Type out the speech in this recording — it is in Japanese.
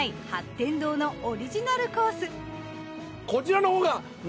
天堂のオリジナルコース。